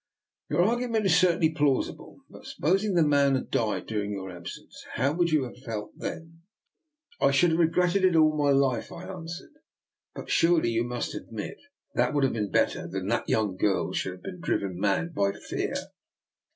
" Your argument is certainly plausible; but supposing the man had died during your absence? How would you have felt then? "" I should have regretted it all my life," I answered. *' But surely you must admit that would have been better than that a young girl should have been driven mad by fear."